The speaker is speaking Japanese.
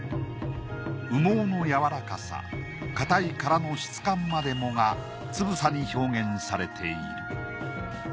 羽毛の柔らかさ硬い殻の質感までもがつぶさに表現されている。